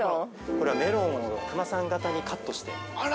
◆これは、メロンをクマさん型にカットして。